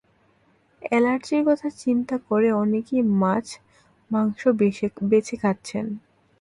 অ্যালার্জির কথা চিন্তা করে অনেকেই মাছ মাংস বেছে খাচ্ছেন।